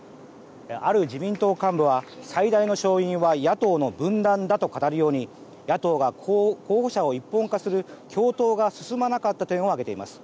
ある自民党幹部は、最大の勝因は野党の分断だと語るように野党が候補者を一本化する共闘が進まなかった点を挙げています。